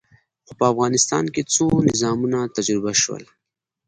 خو په افغانستان کې څو نظامونه تجربه شول.